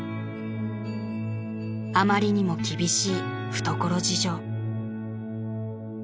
［あまりにも厳しい懐事情］